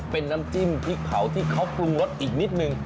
เป็นน้ำจิ้มพริกเผาที่เขาปรุงรสอีกนิดนึง